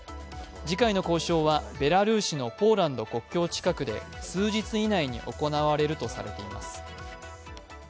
次回の交渉はベラルーシのポーランド国境近くで数日以内に行われるとされています。